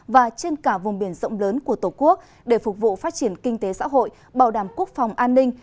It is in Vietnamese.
và trên cả vùng biển rộng lớn của tổ quốc để phục vụ phát triển kinh tế xã hội bảo đảm quốc phòng an ninh